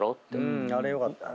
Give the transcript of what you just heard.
あれ良かったね。